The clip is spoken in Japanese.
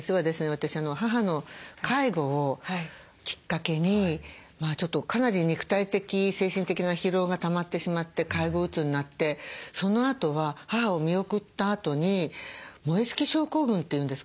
私母の介護をきっかけにかなり肉体的精神的な疲労がたまってしまって介護うつになってそのあとは母を見送ったあとに燃え尽き症候群というんですかね。